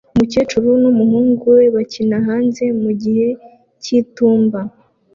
Umukecuru n'umuhungu we bakina hanze mu gihe cy'itumba